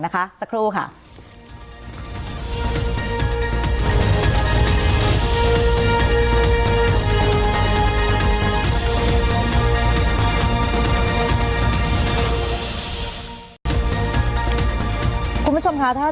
ขอพูดค่ะ